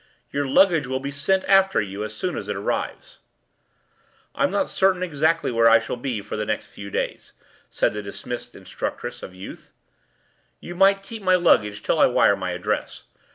Your luggage will be sent after you as soon as it arrives.” “I’m not certain exactly where I shall be for the next few days,” said the dismissed instructress of youth; “you might keep my luggage till I wire my address.